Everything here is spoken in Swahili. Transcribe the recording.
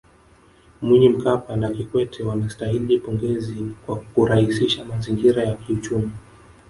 Mwinyi Mkapa na Kikwete wanastahili pongezi kwa kurahisisha mazingira ya kiuchumi